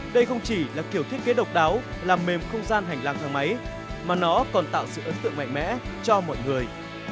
đây không chỉ là kiểu thiết kế độc đáo làm mềm không gian hành lang thang máy mà nó còn tạo sự ấn tượng mạnh mẽ cho mọi người